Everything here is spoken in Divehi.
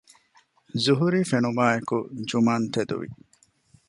ޒުހުރީ ފެނުމާއެކު ޖުމާން ތެދުވި